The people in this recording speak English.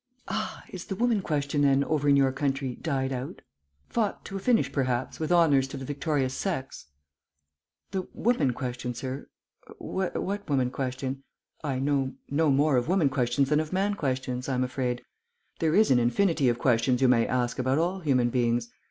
"Ah, is the woman question, then, over in your country died out? Fought to a finish, perhaps, with honours to the victorious sex?" "The woman question, sir? What woman question? I know no more of woman questions than of man questions, I am afraid. There is an infinity of questions you may ask about all human beings.